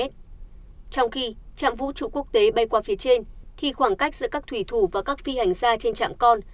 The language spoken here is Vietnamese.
trong khi trạm vũ trụ quốc tế bay qua phía trên thì khoảng cách giữa các thủy thủ và các phi hành gia trên trạm con